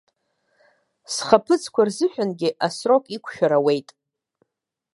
Схаԥыцқәа рзыҳәангьы асрок иқәшәар ауеит.